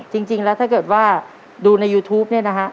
จริงแล้วถ้าเกิดว่าดูในยูทูปเนี่ยนะฮะ